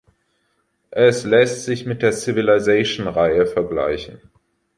Es lässt sich mit der "Civilization"-Reihe vergleichen.